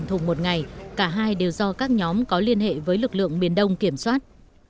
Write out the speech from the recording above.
thùng một ngày cả hai đều do các nhóm có liên hệ với lực lượng miền đông kiểm soát